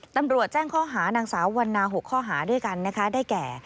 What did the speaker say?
ตำรวจแจ้งข้อหานางสาววันนา๖ข้อหาด้วยกันนะคะได้แก่